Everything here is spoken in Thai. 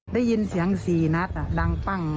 ได้ยินเสียง๔นัดดังปั้ง